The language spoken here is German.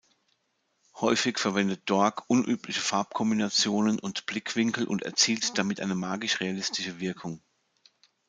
Häufig verwendet Doig unübliche Farbkombinationen und Blickwinkel und erzielt damit eine magisch realistische Wirkung.